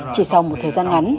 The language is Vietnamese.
chỉ sau một thời gian ngắn